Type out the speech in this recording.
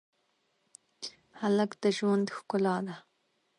هلک د ژوند ښکلا ده.